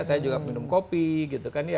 saya juga minum kopi gitu kan ya